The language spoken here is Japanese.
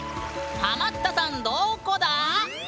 ハマったさんどーこだ？